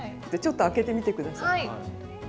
ちょっと開けてみて下さい。